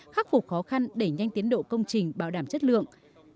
khắc phục khó khăn để nhanh tiến độ công trình bảo đảm chất lượng